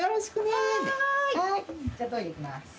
じゃあトイレ行きます。